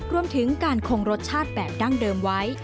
รวมถึงการคงรสชาติแบบดั้งเดิมไว้